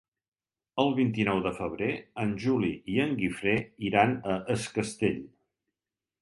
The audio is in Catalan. El vint-i-nou de febrer en Juli i en Guifré iran a Es Castell.